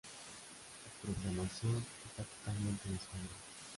Su programación está totalmente en español.